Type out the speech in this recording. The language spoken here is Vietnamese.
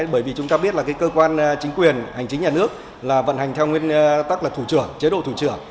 bởi vì chúng ta biết là cơ quan chính quyền hành chính nhà nước là vận hành theo nguyên tắc là thủ trưởng chế độ thủ trưởng